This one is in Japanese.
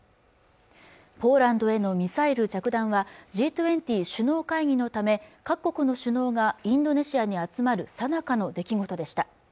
ポーランドへのミサイル着弾はＧ２０首脳会議のため各国の首脳がインドネシアに集まるさなかの出来事でした